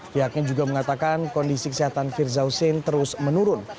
pihaknya juga mengatakan kondisi kesehatan firza hussein terus menurun